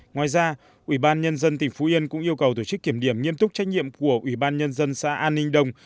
ngoài ra ủy ban nhân dân tỉnh phú yên cũng yêu cầu tổ chức kiểm điểm nghiêm túc trách nhiệm của ủy ban nhân dân xã an ninh đông